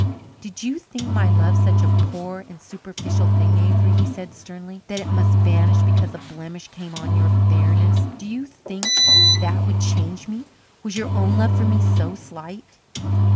"Did you think my love such a poor and superficial thing, Avery," he said sternly, "that it must vanish because a blemish came on your fairness? Do you think that would change me? Was your own love for me so slight?"